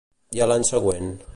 I a l'any següent?